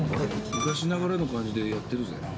昔ながらの感じでやってるんですね。